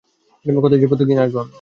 কথা দিচ্ছি, প্রত্যেকদিন আসবো আমি!